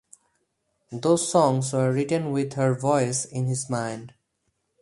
Those songs were written with her voice in his mind.